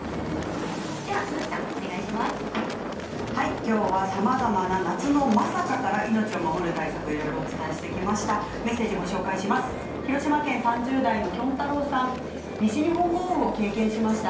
きょうはさまざまな夏のまさかから命を守る対策をいろいろお伝えしてきました。